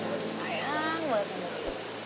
gue tuh sayang banget sama dia